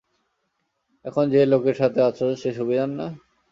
এখন যে লোকের সাথে আছ, সে সুবিধার না?